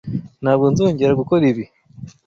Ntabwo nzongera gukora ibi.